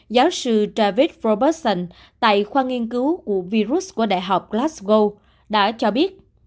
giáo sư david robertson tại khoa nghiên cứu của virus của đại học glasgow đã cho biết